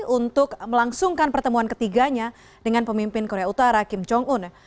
untuk melangsungkan pertemuan ketiganya dengan pemimpin korea utara kim jong un